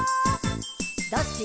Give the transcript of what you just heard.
「どっち？」